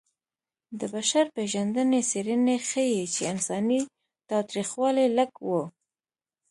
د بشر پېژندنې څېړنې ښيي چې انساني تاوتریخوالی لږ و.